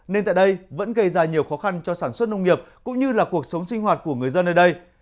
nên tại đây vẫn gây ra nhiều khó khăn cho sản xuất nông nghiệp cũng như là cuộc sống sinh hoạt của người dân ở đây